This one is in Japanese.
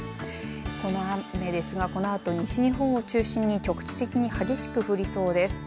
この雨ですがこのあと西日本を中心に局地的に激しく降りそうです。